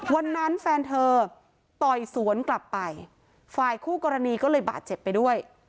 แฟนเธอต่อยสวนกลับไปฝ่ายคู่กรณีก็เลยบาดเจ็บไปด้วย